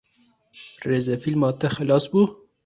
Rêzefîlma te xilas bû?